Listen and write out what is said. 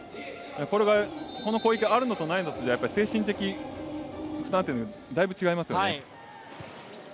この攻撃があるのとないのとでは精神的負担というのがだいぶ違いますよね。